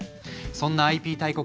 そんなＩＰ大国